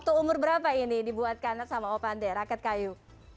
umur berapa ini dibuat kanak sama opadah raket kayu